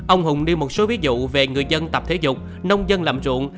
ông hùng đi một số ví dụ về người dân tập thể dục nông dân làm ruộng